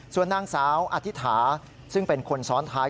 ส่วนนางสาวอธิษฐานซึ่งเป็นคนซ้อนท้าย